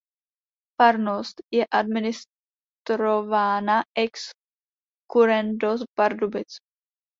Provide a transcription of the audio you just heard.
Farnost je administrována ex currendo z Pardubic.